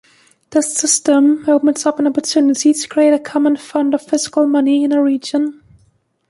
This system opens up an opportunity to create a common fund of physical money in our region.